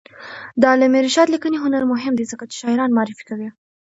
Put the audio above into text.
د علامه رشاد لیکنی هنر مهم دی ځکه چې شاعران معرفي کوي.